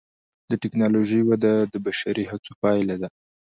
د ټکنالوجۍ وده د بشري هڅو پایله ده.